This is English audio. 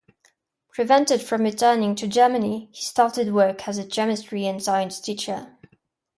Prevented from returning to Germany, he started work as a chemistry and science teacher.